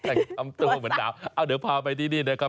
เอาเดี๋ยวพาไปที่นี่นะครับ